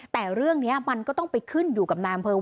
แต่เรื่องนี้มันก็ต้องไปขึ้นอยู่กับนายอำเภอ